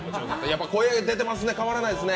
声出てますね、変わらないですね。